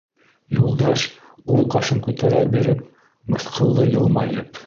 Юлдаш, уң ҡашын күтәрә биреп, мыҫҡыллы йылмайып: